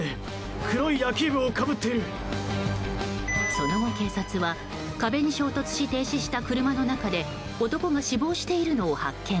その後、警察は壁に衝突し停止した車の中で男が死亡しているのを発見。